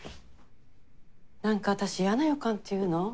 なんか私嫌な予感っていうの？